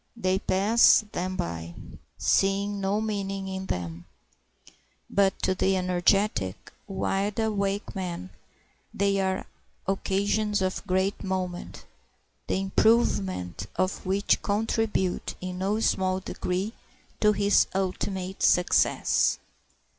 They pass them by, seeing no meaning in them. But to the energetic, wide awake man they are occasions of great moment, the improvement of which contribute in no small degree to his ultimate success.